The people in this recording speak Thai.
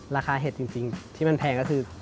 เห็ดจริงที่มันแพงก็คือ